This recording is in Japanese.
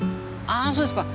ああそうですか。